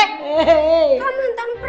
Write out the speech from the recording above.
kamu entang preman